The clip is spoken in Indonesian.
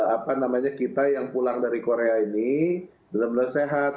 apa namanya kita yang pulang dari korea ini benar benar sehat